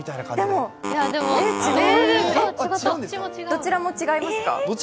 どちらも違いました。